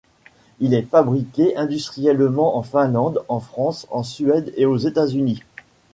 Il est fabriqué industriellement en Finlande, en France, en Suède et aux États-Unis.